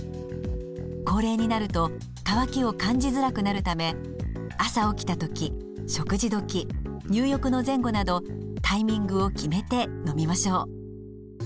高齢になると渇きを感じづらくなるため朝起きた時食事時入浴の前後などタイミングを決めて飲みましょう。